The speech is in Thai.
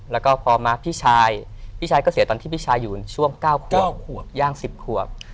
แล้วก็พอมาพี่ชายพี่ชายก็เสียตอนที่พี่ชายอยู่ในช่วง๙ขวบ๙ขวบย่าง๑๐ขวบ